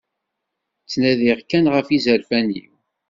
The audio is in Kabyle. Ttnadiɣ kan ɣef yizerfan-iw.